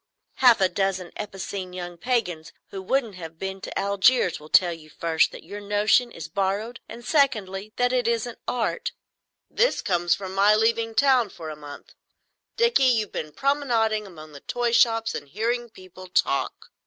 "Half a dozen epicene young pagans who haven't even been to Algiers will tell you, first, that your notion is borrowed, and, secondly, that it isn't Art. "'This comes of my leaving town for a month. Dickie, you've been promenading among the toy shops and hearing people talk."